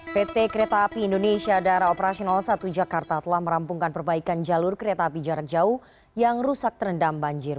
pt kereta api indonesia daerah operasional satu jakarta telah merampungkan perbaikan jalur kereta api jarak jauh yang rusak terendam banjir